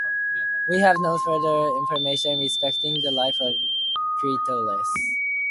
We have no further information respecting the life of Critolaus.